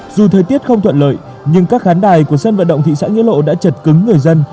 dù thời tiết không thuận lợi nhưng các khán đài của sân vận động thị xã nghĩa lộ đã chật cứng người dân